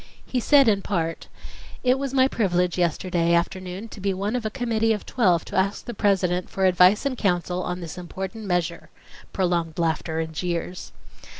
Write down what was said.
He said in part: It was my privilege yesterday afternoon to be one of a committee of twelve to ask the President for advice and counsel on this important measure (prolonged laughter and jeers).